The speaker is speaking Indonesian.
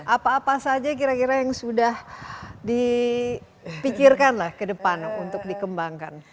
apa apa saja kira kira yang sudah dipikirkan lah ke depan untuk dikembangkan